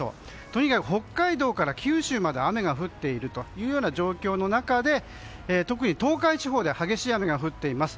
とにかく北海道から九州まで雨が降っているというような状況の中で特に東海地方で激しい雨が降っています。